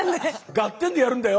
「ガッテン！」でやるんだよ。